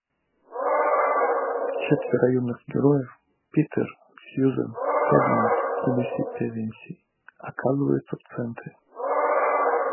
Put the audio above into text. Четверо юных героев - Питер, Сьюзен, Эдмунд и Люси Пэвенси - оказываются в центре